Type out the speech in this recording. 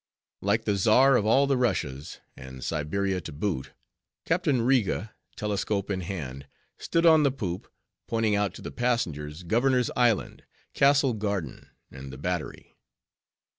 Like the Czar of all the Russias, and Siberia to boot, Captain Riga, telescope in hand, stood on the poop, pointing out to the passengers, Governor's Island, Castle Garden, and the Battery.